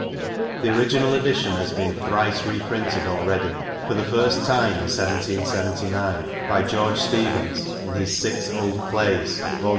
The original edition has been thrice reprinted already : for the first time in 1779 by George Steevens in his * Six Old Plays,' vol.